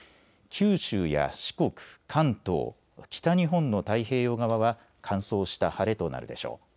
九州や四国、関東、北日本の太平洋側は乾燥した晴れとなるでしょう。